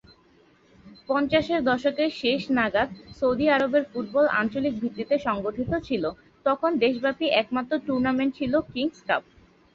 পঞ্চাশের দশকের শেষ নাগাদ সৌদি আরবের ফুটবল আঞ্চলিক ভিত্তিতে সংগঠিত ছিল, তখন দেশব্যাপী একমাত্র টুর্নামেন্ট ছিল কিংস কাপ।